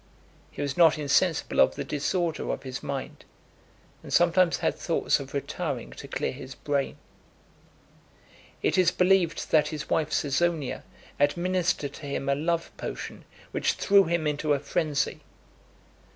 He was not insensible of the disorder of his mind, and sometimes had thoughts of retiring to clear his brain . It is believed that his wife Caesonia administered to him a love potion which threw him into a frenzy.